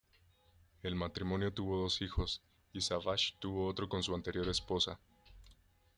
El matrimonio tuvo dos hijos, y Savage tuvo otro con su anterior esposa.